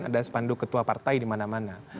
ada spanduk ketua partai di mana mana